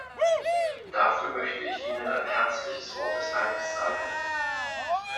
Dafür möchte ich Ihnen ein herzliches Wort des Dankes sagen.